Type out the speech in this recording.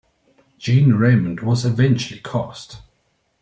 Gene Raymond was eventually cast.